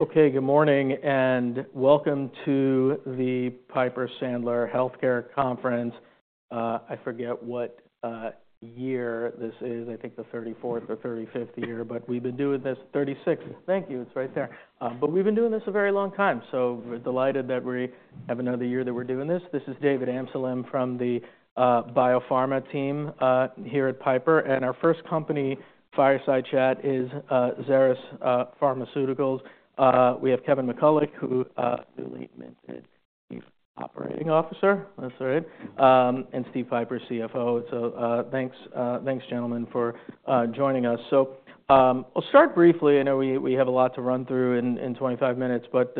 Okay, good morning and welcome to the Piper Sandler Healthcare Conference. I forget what year this is, I think the 34th or 35th year, but we've been doing this, 36th, thank you, it's right there. But we've been doing this a very long time, so we're delighted that we have another year that we're doing this. This is David Amsalem from the biopharma team here at Piper, and our first company fireside chat is Xeris Pharmaceuticals. We have Kevin McCulloch, who, newly minted Chief Operating Officer, that's right, and Steve Pieper, CFO. So thanks, gentlemen, for joining us. So I'll start briefly. I know we have a lot to run through in 25 minutes, but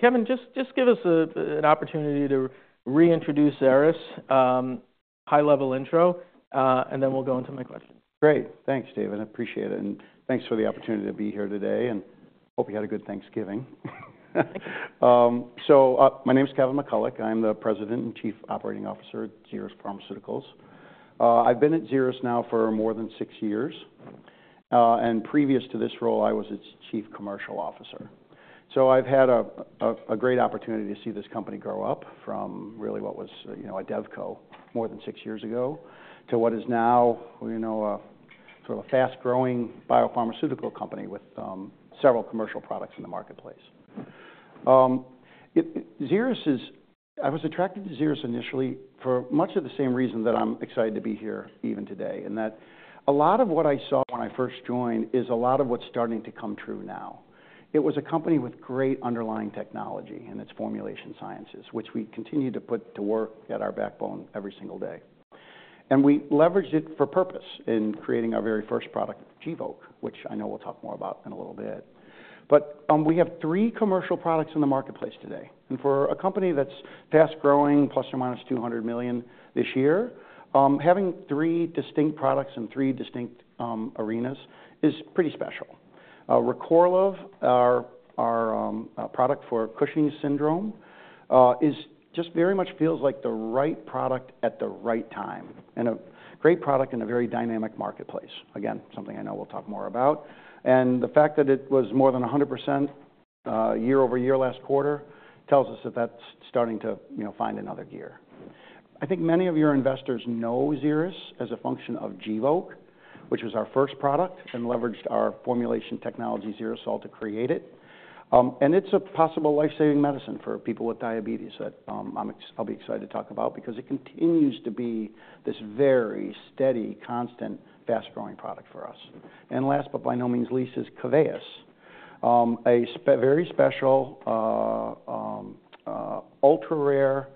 Kevin, just give us an opportunity to reintroduce Xeris, high-level intro, and then we'll go into my questions. Great, thanks, David. I appreciate it, and thanks for the opportunity to be here today, and hope you had a good Thanksgiving. So my name is Kevin McCulloch. I'm the President and Chief Operating Officer at Xeris Pharmaceuticals. I've been at Xeris now for more than six years, and previous to this role, I was its Chief Commercial Officer. So I've had a great opportunity to see this company grow up from really what was a devco more than six years ago to what is now sort of a fast-growing biopharmaceutical company with several commercial products in the marketplace. I was attracted to Xeris initially for much of the same reason that I'm excited to be here even today, in that a lot of what I saw when I first joined is a lot of what's starting to come true now. It was a company with great underlying technology and its formulation sciences, which we continue to put to work at our backbone every single day, and we leveraged it for purpose in creating our very first product, Gvoke, which I know we'll talk more about in a little bit, but we have three commercial products in the marketplace today, and for a company that's fast-growing, plus or minus $200 million this year, having three distinct products in three distinct arenas is pretty special. Recorlev, our product for Cushing's syndrome, just very much feels like the right product at the right time, and a great product in a very dynamic marketplace. Again, something I know we'll talk more about, and the fact that it was more than 100% year-over-year last quarter tells us that that's starting to find another gear. I think many of your investors know Xeris as a function of Gvoke, which was our first product and leveraged our formulation technology XeriSol to create it. And it's a possible lifesaving medicine for people with diabetes that I'll be excited to talk about because it continues to be this very steady, constant, fast-growing product for us. And last but by no means least is KEVEYIS, a very special ultra-rare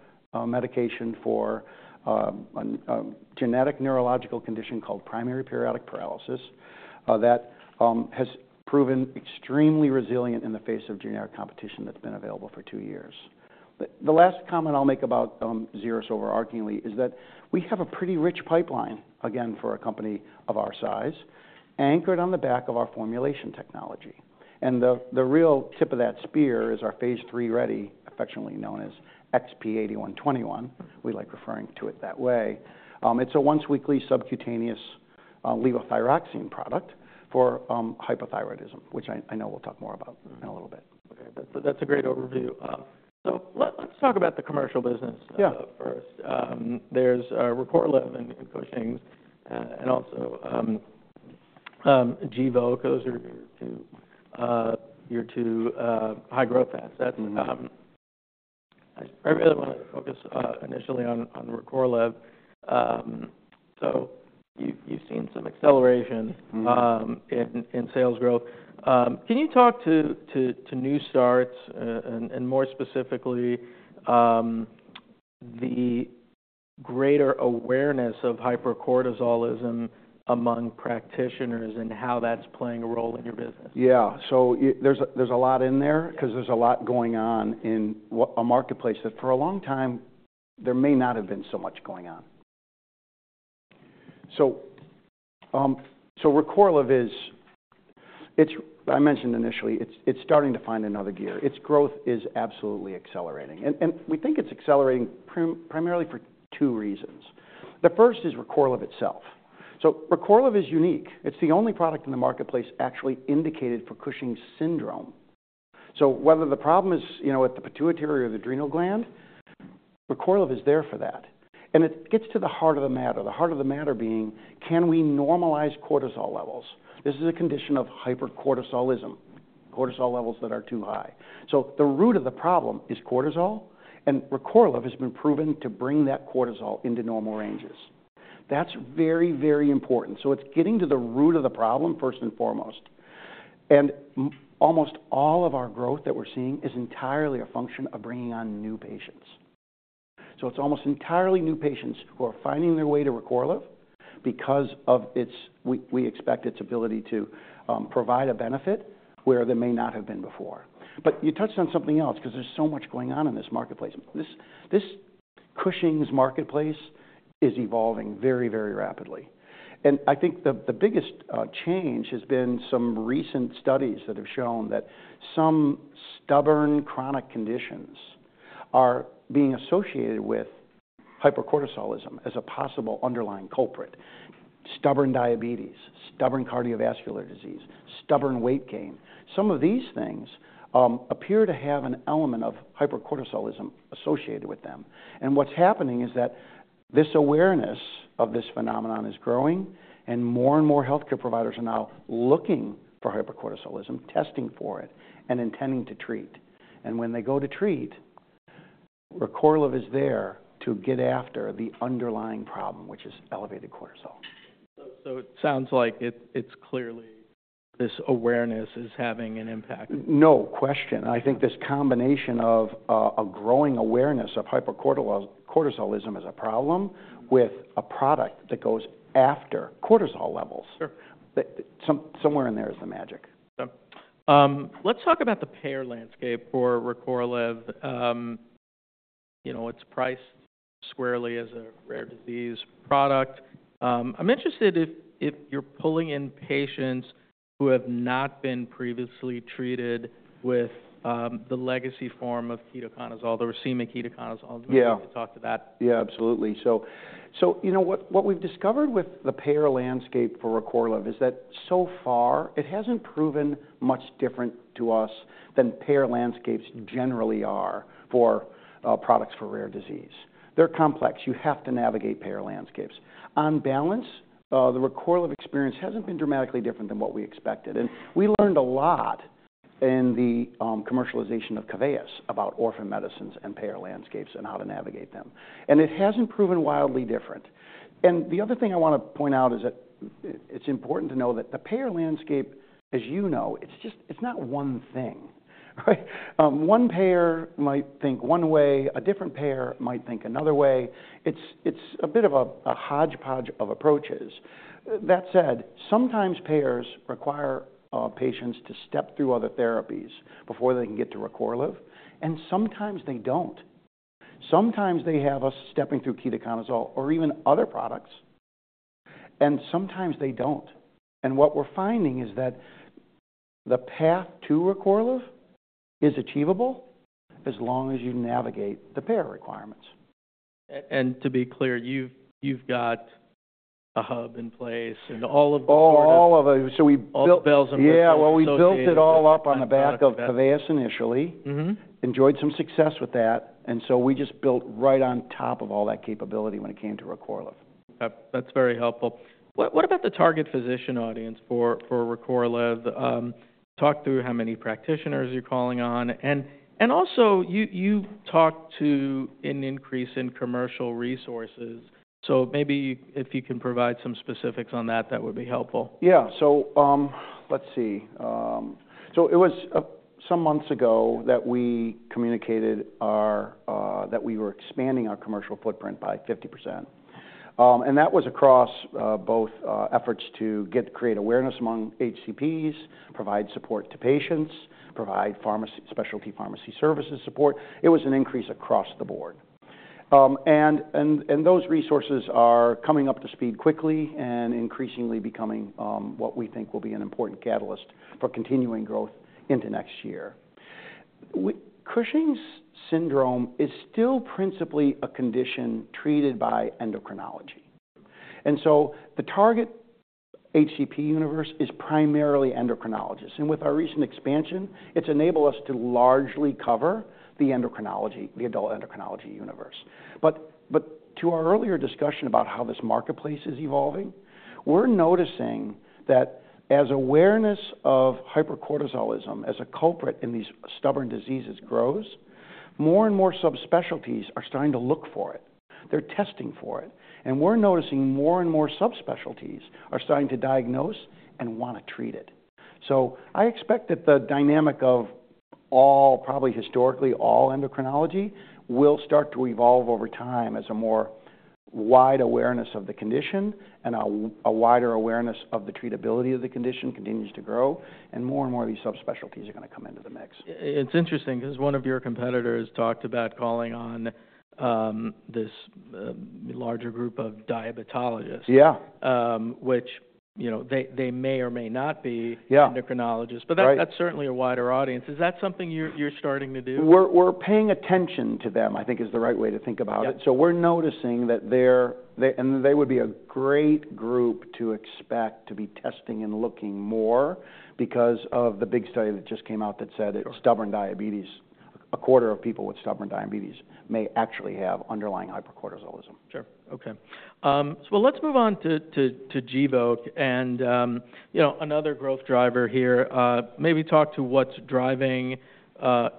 medication for a genetic neurological condition called primary periodic paralysis that has proven extremely resilient in the face of generic competition that's been available for two years. The last comment I'll make about Xeris, overarchingly, is that we have a pretty rich pipeline, again, for a company of our size, anchored on the back of our formulation technology. And the real tip of that spear is our phase III ready, affectionately known as XP-8121. We like referring to it that way. It's a once-weekly subcutaneous levothyroxine product for hypothyroidism, which I know we'll talk more about in a little bit. Okay, that's a great overview. So let's talk about the commercial business first. There's Recorlev and Cushing's and also Gvoke, those are your two high-growth assets. I really wanted to focus initially on Recorlev. So you've seen some acceleration in sales growth. Can you talk to new starts and more specifically the greater awareness of hypercortisolism among practitioners and how that's playing a role in your business? Yeah, so there's a lot in there because there's a lot going on in a marketplace that for a long time there may not have been so much going on. So Recorlev is, I mentioned initially, it's starting to find another gear. Its growth is absolutely accelerating, and we think it's accelerating primarily for two reasons. The first is Recorlev itself. So Recorlev is unique. It's the only product in the marketplace actually indicated for Cushing's syndrome. So whether the problem is at the pituitary or the adrenal gland, Recorlev is there for that. And it gets to the heart of the matter, the heart of the matter being, can we normalize cortisol levels? This is a condition of hypercortisolism, cortisol levels that are too high. So the root of the problem is cortisol, and Recorlev has been proven to bring that cortisol into normal ranges. That's very, very important. So it's getting to the root of the problem, first and foremost. And almost all of our growth that we're seeing is entirely a function of bringing on new patients. So it's almost entirely new patients who are finding their way to Recorlev because of its, we expect its ability to provide a benefit where they may not have been before. But you touched on something else because there's so much going on in this marketplace. This Cushing's marketplace is evolving very, very rapidly. And I think the biggest change has been some recent studies that have shown that some stubborn chronic conditions are being associated with hypercortisolism as a possible underlying culprit. Stubborn diabetes, stubborn cardiovascular disease, stubborn weight gain, some of these things appear to have an element of hypercortisolism associated with them. What's happening is that this awareness of this phenomenon is growing, and more and more healthcare providers are now looking for hypercortisolism, testing for it, and intending to treat. When they go to treat, Recorlev is there to get after the underlying problem, which is elevated cortisol. So it sounds like it's clearly this awareness is having an impact. No question. I think this combination of a growing awareness of hypercortisolism as a problem with a product that goes after cortisol levels, somewhere in there is the magic. Let's talk about the payer landscape for Recorlev. It's priced squarely as a rare disease product. I'm interested if you're pulling in patients who have not been previously treated with the legacy form of ketoconazole, the racemic ketoconazole. You talked to that. Yeah, absolutely. So you know what we've discovered with the payer landscape for Recorlev is that so far it hasn't proven much different to us than payer landscapes generally are for products for rare disease. They're complex. You have to navigate payer landscapes. On balance, the Recorlev experience hasn't been dramatically different than what we expected. And we learned a lot in the commercialization of KEVEYIS about orphan medicines and payer landscapes and how to navigate them. And it hasn't proven wildly different. And the other thing I want to point out is that it's important to know that the payer landscape, as you know, it's not one thing. One payer might think one way, a different payer might think another way. It's a bit of a hodgepodge of approaches. That said, sometimes payers require patients to step through other therapies before they can get to Recorlev, and sometimes they don't. Sometimes they have us stepping through ketoconazole or even other products, and sometimes they don't. And what we're finding is that the path to Recorlev is achievable as long as you navigate the payer requirements. And to be clear, you've got a hub in place and all of the. All of it. Bells and whistles. Yeah, well, we built it all up on the back of KEVEYIS initially, enjoyed some success with that, and so we just built right on top of all that capability when it came to Recorlev. That's very helpful. What about the target physician audience for Recorlev? Talk through how many practitioners you're calling on. And also, you talked to an increase in commercial resources. So maybe if you can provide some specifics on that, that would be helpful. Yeah, so let's see. So it was some months ago that we communicated that we were expanding our commercial footprint by 50%. And that was across both efforts to create awareness among HCPs, provide support to patients, provide specialty pharmacy services support. It was an increase across the board. And those resources are coming up to speed quickly and increasingly becoming what we think will be an important catalyst for continuing growth into next year. Cushing's syndrome is still principally a condition treated by endocrinology. And so the target HCP universe is primarily endocrinologists. And with our recent expansion, it's enabled us to largely cover the endocrinology, the adult endocrinology universe. But to our earlier discussion about how this marketplace is evolving, we're noticing that as awareness of hypercortisolism as a culprit in these stubborn diseases grows, more and more subspecialties are starting to look for it. They're testing for it, and we're noticing more and more subspecialties are starting to diagnose and want to treat it, so I expect that the dynamic of probably historically all endocrinology will start to evolve over time as a more wide awareness of the condition and a wider awareness of the treatability of the condition continues to grow, and more and more of these subspecialties are going to come into the mix. It's interesting because one of your competitors talked about calling on this larger group of diabetologists, which they may or may not be endocrinologists, but that's certainly a wider audience. Is that something you're starting to do? We're paying attention to them, I think, is the right way to think about it. So we're noticing that they're, and they would be a great group to expect to be testing and looking more because of the big study that just came out that said that stubborn diabetes, a quarter of people with stubborn diabetes, may actually have underlying hypercortisolism. Sure. Okay. Well, let's move on to Gvoke and another growth driver here. Maybe talk to what's driving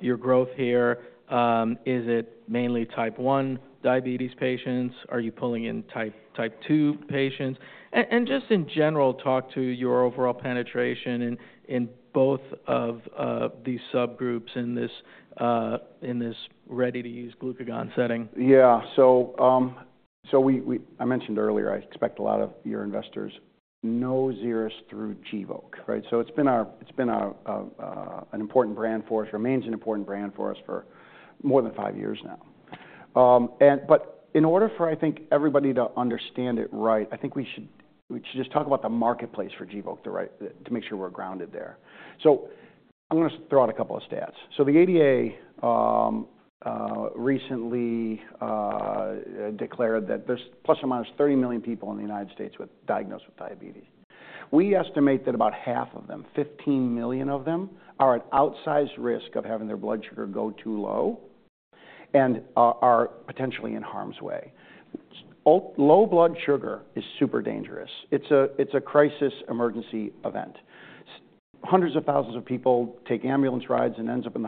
your growth here. Is it mainly type 1 diabetes patients? Are you pulling in type 2 patients? And just in general, talk to your overall penetration in both of these subgroups in this ready-to-use glucagon setting. Yeah. So I mentioned earlier, I expect a lot of your investors know Xeris through Gvoke, right? So it's been an important brand for us, remains an important brand for us for more than five years now. But in order for, I think, everybody to understand it right, I think we should just talk about the marketplace for Gvoke to make sure we're grounded there. So I'm going to throw out a couple of stats. So the ADA recently declared that there's plus or minus 30 million people in the United States diagnosed with diabetes. We estimate that about half of them, 15 million of them, are at outsized risk of having their blood sugar go too low and are potentially in harm's way. Low blood sugar is super dangerous. It's a crisis emergency event. Hundreds of thousands of people take ambulance rides and end up in the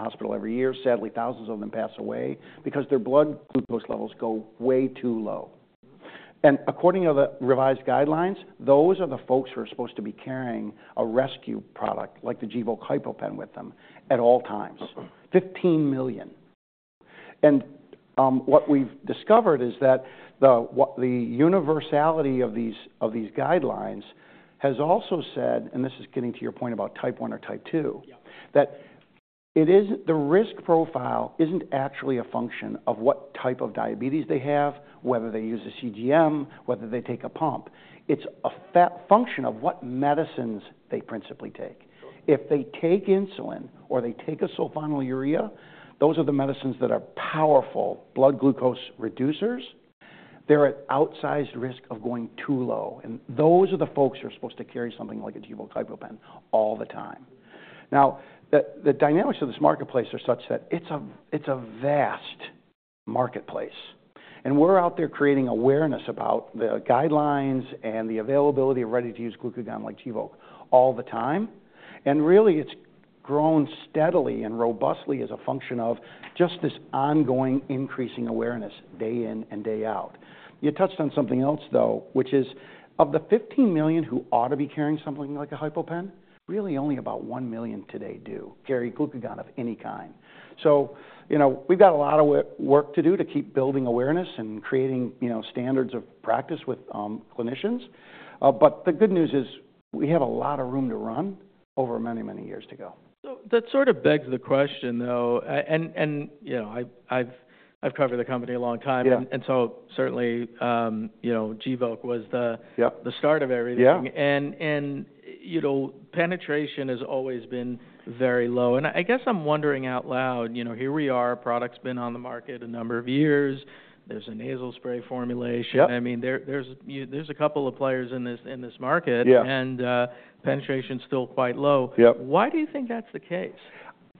hospital every year. Sadly, thousands of them pass away because their blood glucose levels go way too low. And according to the revised guidelines, those are the folks who are supposed to be carrying a rescue product like the Gvoke HypoPen with them at all times, 15 million. And what we've discovered is that the universality of these guidelines has also said, and this is getting to your point about type 1 or type 2, that the risk profile isn't actually a function of what type of diabetes they have, whether they use a CGM, whether they take a pump. It's a function of what medicines they principally take. If they take insulin or they take a sulfonylurea, those are the medicines that are powerful blood glucose reducers. They're at outsized risk of going too low. Those are the folks who are supposed to carry something like a Gvoke HypoPen all the time. Now, the dynamics of this marketplace are such that it's a vast marketplace. And we're out there creating awareness about the guidelines and the availability of ready-to-use glucagon like Gvoke all the time. And really, it's grown steadily and robustly as a function of just this ongoing increasing awareness day in and day out. You touched on something else, though, which is of the 15 million who ought to be carrying something like a HypoPen, really only about one million today do carry glucagon of any kind. So we've got a lot of work to do to keep building awareness and creating standards of practice with clinicians. But the good news is we have a lot of room to run over many, many years to go. That sort of begs the question, though. I've covered the company a long time, and so certainly Gvoke was the start of everything. Penetration has always been very low. I guess I'm wondering out loud. Here we are, product's been on the market a number of years, there's a nasal spray formulation. I mean, there's a couple of players in this market, and penetration's still quite low. Why do you think that's the case?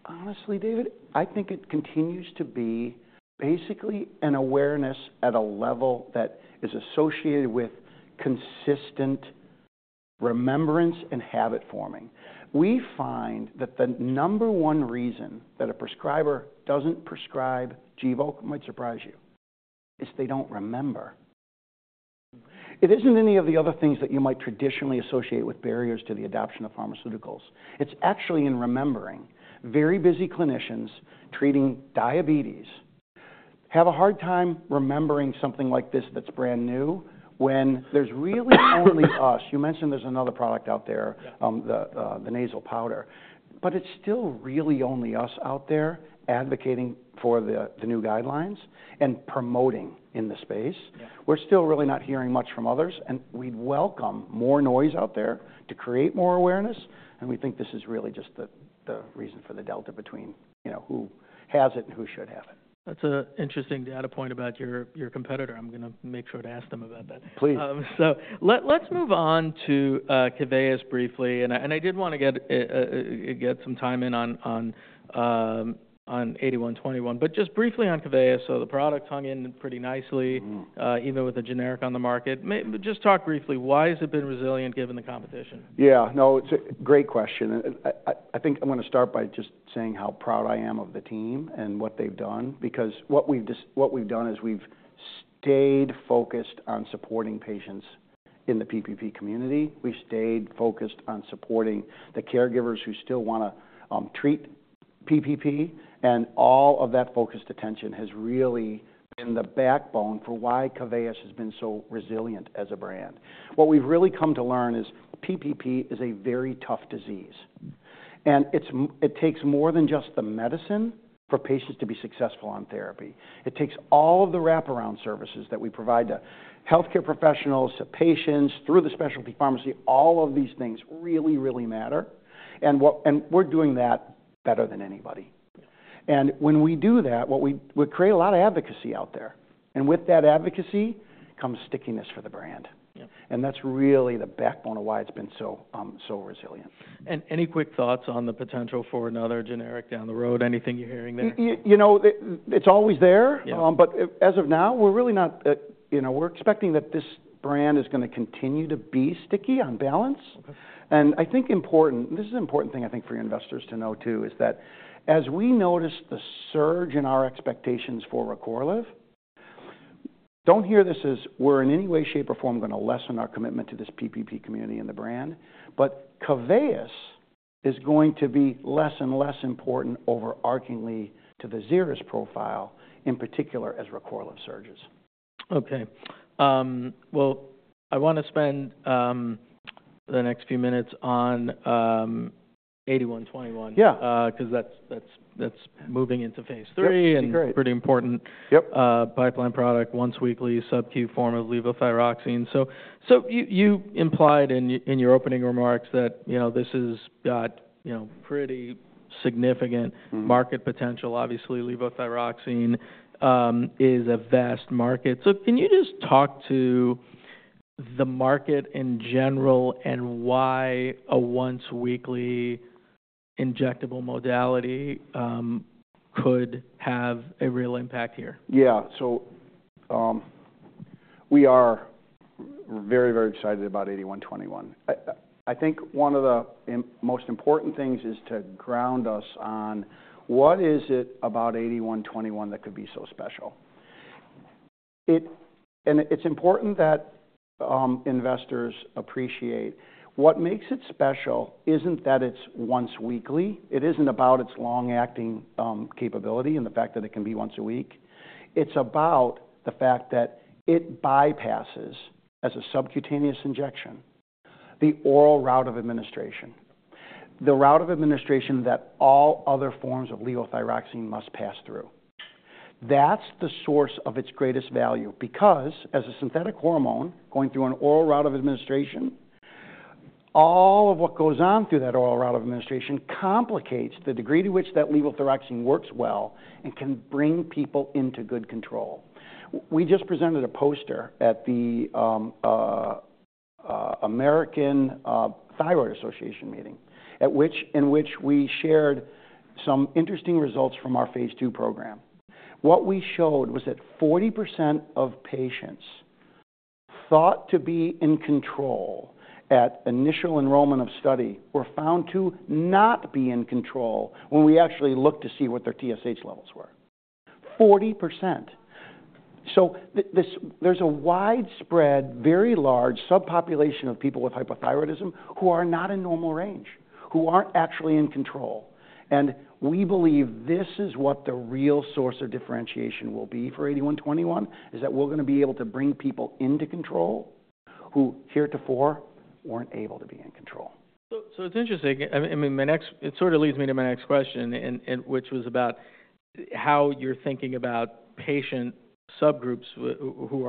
Honestly, David, I think it continues to be basically an awareness at a level that is associated with consistent remembrance and habit forming. We find that the number one reason that a prescriber doesn't prescribe Gvoke, it might surprise you, is they don't remember. It isn't any of the other things that you might traditionally associate with barriers to the adoption of pharmaceuticals. It's actually in remembering. Very busy clinicians treating diabetes have a hard time remembering something like this that's brand new when there's really only us. You mentioned there's another product out there, the nasal powder. But it's still really only us out there advocating for the new guidelines and promoting in the space. We're still really not hearing much from others, and we'd welcome more noise out there to create more awareness. We think this is really just the reason for the delta between who has it and who should have it. That's an interesting data point about your competitor. I'm going to make sure to ask them about that. Please. So let's move on to KEVEYIS briefly. And I did want to get some time in on XP-8121. But just briefly on KEVEYIS. So the product hung in pretty nicely, even with a generic on the market. Just talk briefly, why has it been resilient given the competition? Yeah. No, it's a great question. I think I'm going to start by just saying how proud I am of the team and what they've done. Because what we've done is we've stayed focused on supporting patients in the PPP community. We've stayed focused on supporting the caregivers who still want to treat PPP. And all of that focused attention has really been the backbone for why KEVEYIS has been so resilient as a brand. What we've really come to learn is PPP is a very tough disease. And it takes more than just the medicine for patients to be successful on therapy. It takes all of the wraparound services that we provide to healthcare professionals, to patients, through the specialty pharmacy. All of these things really, really matter. And we're doing that better than anybody. And when we do that, we create a lot of advocacy out there. With that advocacy comes stickiness for the brand. That's really the backbone of why it's been so resilient. And any quick thoughts on the potential for another generic down the road? Anything you're hearing there? You know, it's always there. But as of now, we're really not expecting that this brand is going to continue to be sticky on balance. And I think this is an important thing, I think, for your investors to know, too, is that as we notice the surge in our expectations for Recorlev, don't hear this as we're in any way, shape, or form going to lessen our commitment to this PPP community and the brand. But KEVEYIS is going to be less and less important overarchingly to the Xeris profile, in particular as Recorlev surges. Okay. Well, I want to spend the next few minutes on 8121 because that's moving into phase III and pretty important pipeline product, once weekly subcu form of levothyroxine. So you implied in your opening remarks that this has got pretty significant market potential. Obviously, levothyroxine is a vast market. So can you just talk to the market in general and why a once weekly injectable modality could have a real impact here? Yeah, so we are very, very excited about 8121. I think one of the most important things is to ground us on what is it about 8121 that could be so special, and it's important that investors appreciate what makes it special isn't that it's once weekly. It isn't about its long-acting capability and the fact that it can be once a week. It's about the fact that it bypasses, as a subcutaneous injection, the oral route of administration, the route of administration that all other forms of levothyroxine must pass through. That's the source of its greatest value. Because as a synthetic hormone going through an oral route of administration, all of what goes on through that oral route of administration complicates the degree to which that levothyroxine works well and can bring people into good control. We just presented a poster at the American Thyroid Association meeting in which we shared some interesting results from our phase two program. What we showed was that 40% of patients thought to be in control at initial enrollment of study were found to not be in control when we actually looked to see what their TSH levels were. 40%. So there's a widespread, very large subpopulation of people with hypothyroidism who are not in normal range, who aren't actually in control, and we believe this is what the real source of differentiation will be for 8121, is that we're going to be able to bring people into control who heretofore weren't able to be in control. It's interesting. I mean, it sort of leads me to my next question, which was about how you're thinking about patient subgroups who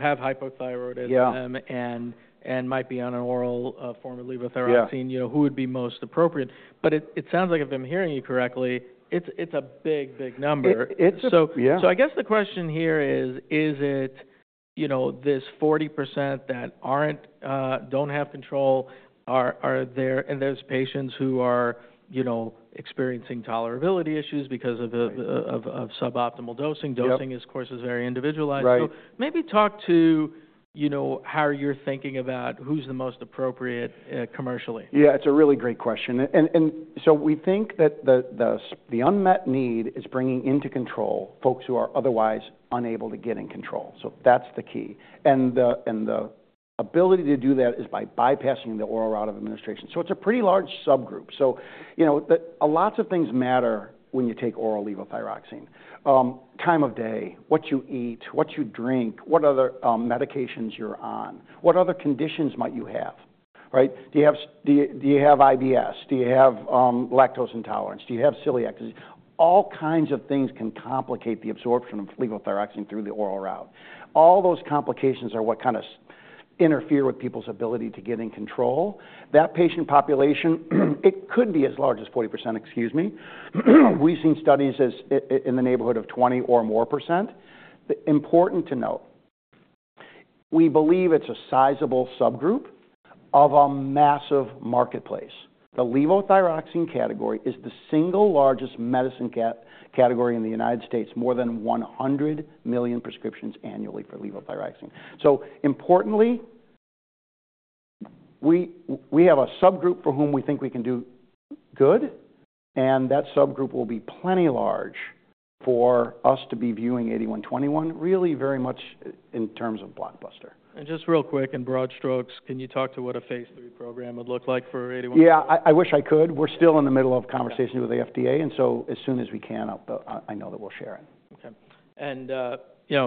have hypothyroidism and might be on an oral form of levothyroxine, who would be most appropriate. But it sounds like, if I'm hearing you correctly, it's a big, big number. So I guess the question here is, is it this 40% that don't have control? And there's patients who are experiencing tolerability issues because of suboptimal dosing. Dosing, of course, is very individualized. So maybe talk to how you're thinking about who's the most appropriate commercially. Yeah, it's a really great question, and so we think that the unmet need is bringing into control folks who are otherwise unable to get in control, so that's the key. And the ability to do that is by bypassing the oral route of administration, so it's a pretty large subgroup, so lots of things matter when you take oral levothyroxine: time of day, what you eat, what you drink, what other medications you're on, what other conditions might you have, right? Do you have IBS? Do you have lactose intolerance? Do you have celiac disease? All kinds of things can complicate the absorption of levothyroxine through the oral route. All those complications are what kind of interfere with people's ability to get in control. That patient population, it could be as large as 40%, excuse me. We've seen studies in the neighborhood of 20% or more. Important to note, we believe it's a sizable subgroup of a massive marketplace. The levothyroxine category is the single largest medicine category in the United States, more than 100 million prescriptions annually for levothyroxine, so importantly, we have a subgroup for whom we think we can do good, and that subgroup will be plenty large for us to be viewing 8121, really very much in terms of blockbuster. Just real quick, in broad strokes, can you talk to what a phase three program would look like for 8121? Yeah, I wish I could. We're still in the middle of conversation with the FDA. And so as soon as we can, I know that we'll share it. Okay, and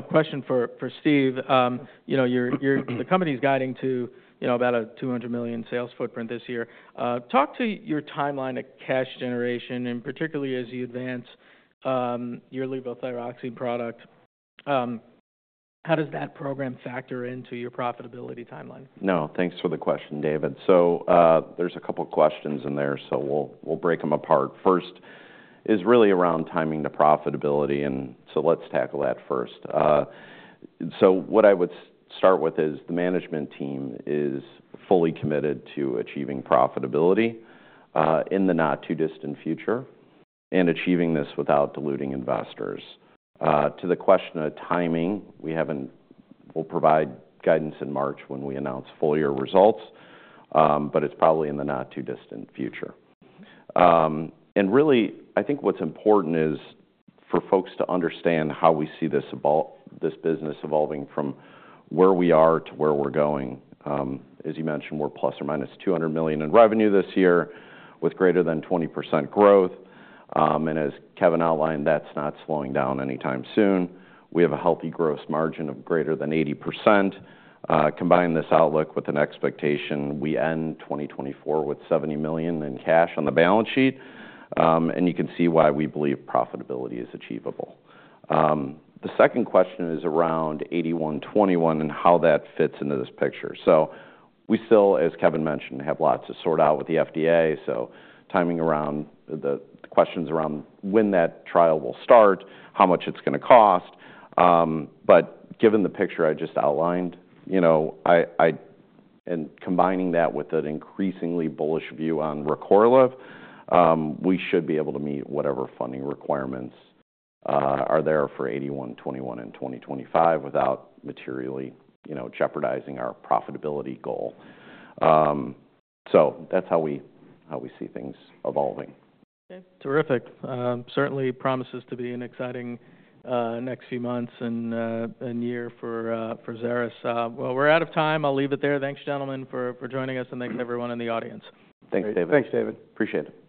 question for Steve. The company's guiding to about a $200 million sales footprint this year. Talk to your timeline of cash generation, and particularly as you advance your levothyroxine product. How does that program factor into your profitability timeline? No, thanks for the question, David. So there's a couple of questions in there. So we'll break them apart. First is really around timing to profitability. And so let's tackle that first. So what I would start with is the management team is fully committed to achieving profitability in the not-too-distant future and achieving this without diluting investors. To the question of timing, we'll provide guidance in March when we announce full year results. But it's probably in the not-too-distant future. And really, I think what's important is for folks to understand how we see this business evolving from where we are to where we're going. As you mentioned, we're plus or minus $200 million in revenue this year with greater than 20% growth. And as Kevin outlined, that's not slowing down anytime soon. We have a healthy gross margin of greater than 80%. Combine this outlook with an expectation we end 2024 with $70 million in cash on the balance sheet. And you can see why we believe profitability is achievable. The second question is around 8121 and how that fits into this picture. So we still, as Kevin mentioned, have lots to sort out with the FDA. So timing around the questions around when that trial will start, how much it's going to cost. But given the picture I just outlined, and combining that with an increasingly bullish view on Recorlev, we should be able to meet whatever funding requirements are there for 8121 and 2025 without materially jeopardizing our profitability goal. So that's how we see things evolving. Terrific. Certainly promises to be an exciting next few months and year for Xeris. Well, we're out of time. I'll leave it there. Thanks, gentlemen, for joining us. And thanks, everyone in the audience. Thanks, David. Thanks, David. Appreciate it.